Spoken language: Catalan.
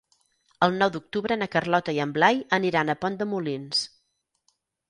El nou d'octubre na Carlota i en Blai aniran a Pont de Molins.